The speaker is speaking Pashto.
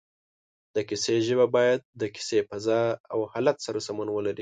د کیسې ژبه باید د کیسې فضا او حالت سره سمون ولري